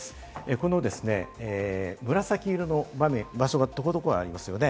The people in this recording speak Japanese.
この紫色の場所が所々ありますよね。